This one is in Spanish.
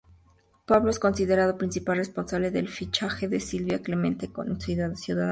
Pablo es considerado principal responsable del fichaje de Silvia Clemente en Ciudadanos.